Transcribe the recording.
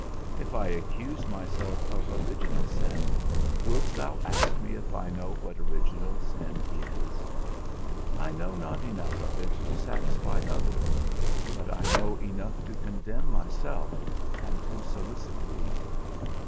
If I accuse myself of original sin, wilt thou ask me if I know what original sin is? I know not enough of it to satisfy others, but I know enough to condemn myself, and to solicit thee.